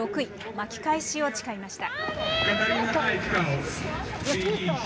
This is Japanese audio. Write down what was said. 巻き返しを誓いました。